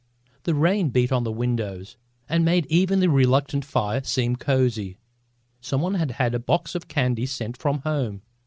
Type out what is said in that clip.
The rain beat on the windows and made even the reluctant fire seem cosy. Some one had had a box of candy sent from home.